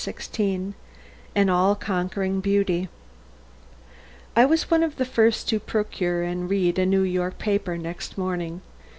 XVI "AN ALL CONQUERING BEAUTY" I was one of the first to procure and read a New York paper next morning.